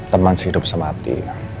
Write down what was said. tapi masih hidup semati